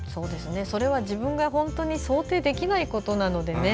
それは自分が本当に想定できないことなのでね。